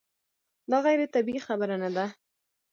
دا غیر طبیعي خبره نه ده.